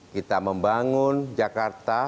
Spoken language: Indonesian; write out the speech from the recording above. kita membangun jakarta